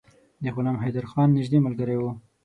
د غلام حیدرخان نیژدې ملګری وو.